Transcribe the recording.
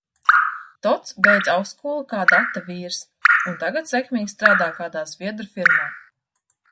Tots beidza augstskolu kā data vīrs, un tagad sekmīgi strādā kādā zviedru firmā.